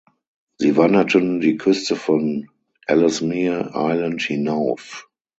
Sie wanderten die Küste von Ellesmere Island hinauf.